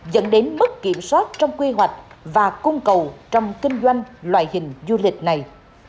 dẫn đến mức kiểm soát trong quy hoạch và cung cầu trong kinh doanh loại hình du lịch này